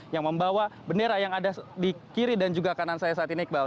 yang membawa bendera yang ada di kiri dan juga kanan saya saat ini iqbal